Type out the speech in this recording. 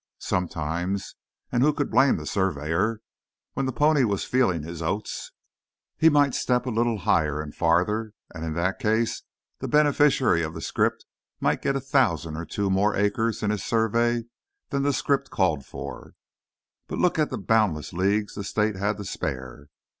Sometimes—and who could blame the surveyor?—when the pony was "feeling his oats," he might step a little higher and farther, and in that case the beneficiary of the scrip might get a thousand or two more acres in his survey than the scrip called for. But look at the boundless leagues the state had to spare!